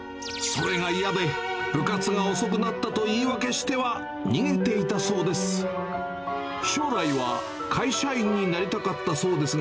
それが嫌で、部活が遅くなったと言い訳しては逃げていたそうです。